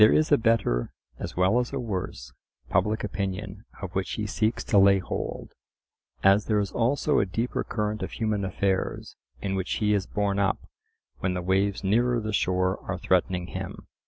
There is a better (as well as a worse) public opinion of which he seeks to lay hold; as there is also a deeper current of human affairs in which he is borne up when the waves nearer the shore are threatening him.